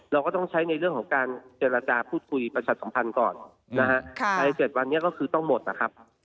เราก็ต้องใช้ในเรื่องของการเจรจาพูดคุยประชาสัมพันธ์ก่อนนะฮะใน๗วันนี้ก็คือต้องหมดนะครับ